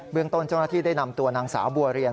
เบื้องต้นจริงที่ได้นำตัวนางสาวบัวเรียน